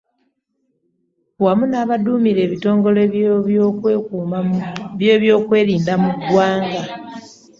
Wamu n'abaduumira ebitongole by'ebyokwerinda mu ggwanga.